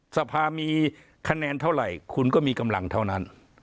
สภามีคะแนนเท่าไหร่คุณก็มีกำลังเท่านั้น